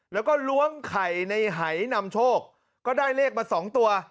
แล้วก็ล้วงไข่ในหายนำโชคก็ได้เลขมา๒ตัว